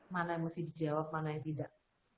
mana yang mesti dijawab mana yang tidak